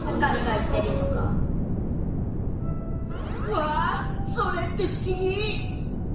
わっそれってふしぎ！